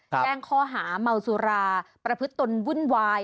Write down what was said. แจ้งข้อหาเมาสุราประพฤติตนวุ่นวาย